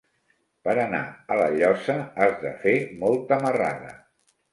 Per anar a La Llosa has de fer molta marrada.